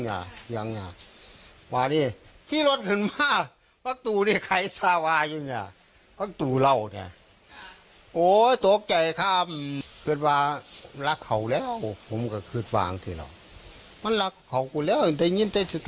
แล้วมันก็จะไม่ได้ถูกขอบคุณตำรวจที่สามารถช่วยจับคนร้ายได้เพราะตัวในพุ่มเองเขาก็ทำนาแค่อย่างเดียว